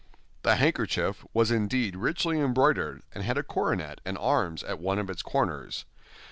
The handkerchief was indeed richly embroidered, and had a coronet and arms at one of its corners.